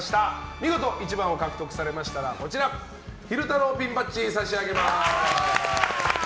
見事、１番を獲得されましたら昼太郎ピンバッジを差し上げます。